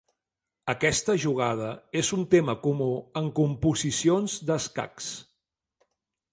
Aquesta jugada és un tema comú en composicions d'escacs.